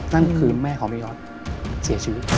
นั่นคือแม่ของพี่ยอดเสียชีวิต